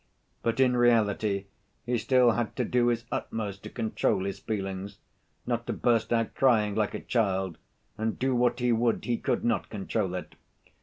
But in reality he still had to do his utmost to control his feelings not to burst out crying like a child, and do what he would he could not control it.